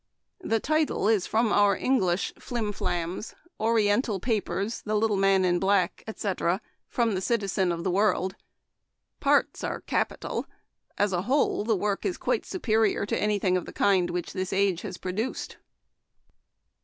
The title is from our English Flim Flams ; Oriental Papers, The Little Man Memoir of Washington Irving. 139 in Black, etc., from the ' Citizen of the World ;' Parts are capital ; as a whole, the work is quite superior to any thing of the kind which this age has produced.